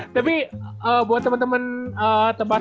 dari kan di pt op